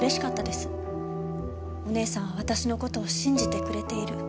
お義姉さんは私の事を信じてくれている。